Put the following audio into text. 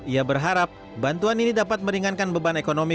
ia berharap bantuan ini dapat meringankan beban ekonomi